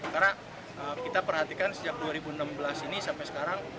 karena kita perhatikan sejak dua ribu enam belas ini sampai sekarang